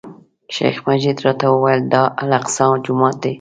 شیخ مجید راته وویل، دا الاقصی جومات دی.